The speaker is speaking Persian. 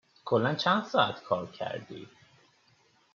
کلا چن ساعت کار کردی؟